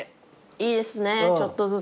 いいですねちょっとずつ。